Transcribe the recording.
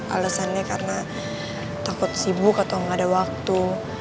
alasannya karena takut sibuk atau nggak ada waktu